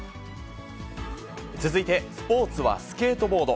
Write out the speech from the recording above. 続いてスポーツはスケートボード。